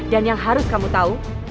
dan yang harus kamu tahu